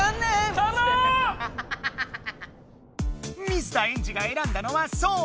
水田エンジがえらんだのはそう！